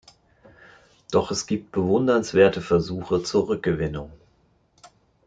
Doch es gibt bewundernswerte Versuche zur Rückgewinnung.